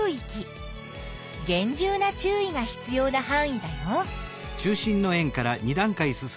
げん重な注意が必要なはん囲だよ。